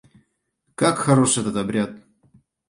Как хорош этот обряд!